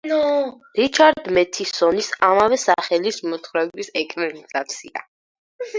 რიჩარდ მეთისონის ამავე სახელის მოთხრობის ეკრანიზაცია.